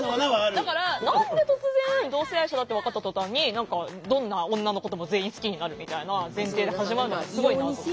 だから何で突然同性愛者だって分かった途端にどんな女のことも全員好きになるみたいな前提で始まるのはすごいなと思う。